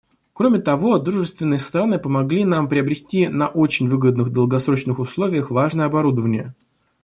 Кроме того, дружественные страны помогли нам приобрести на очень выгодных долгосрочных условиях важное оборудование.